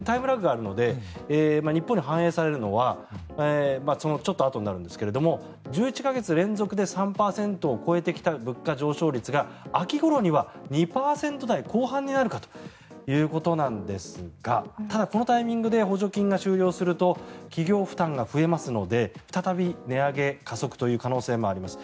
もうタイムラグがあるので日本に反映されるのはちょっとあとになるんですが１１か月連続で３％を超えてきた物価上昇率が秋ごろには２％台後半になるかということなんですがただ、このタイミングで補助金が終了すると企業負担が増えますので再び値上げ加速という可能性もあります。